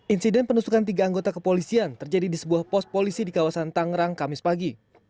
insiden penusukan tiga anggota kepolisian terjadi di sebuah pos polisi di kawasan tangerang kamis pagi